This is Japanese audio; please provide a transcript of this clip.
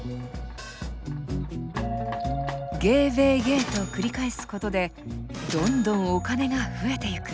Ｇ−Ｗ−Ｇ’と繰り返すことでどんどんお金が増えてゆく。